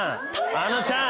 あのちゃん。